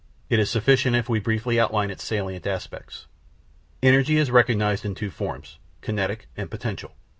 It is sufficient if we briefly outline its salient aspects. Energy is recognised in two forms, kinetic and potential.